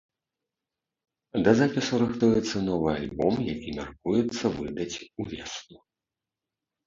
Да запісу рыхтуецца новы альбом, які мяркуецца выдаць увесну.